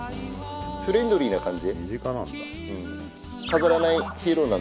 フレンドリーな感じ。